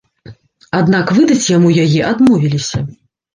Аднак выдаць яму яе адмовіліся.